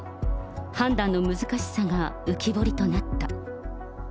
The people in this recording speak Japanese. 判断の難しさが浮き彫りとなった。